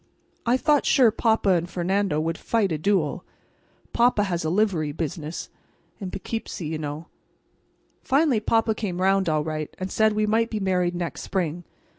I thought sure papa and Fernando would fight a duel. Papa has a livery business—in P'kipsee, you know." "Finally, papa came 'round, all right, and said we might be married next spring.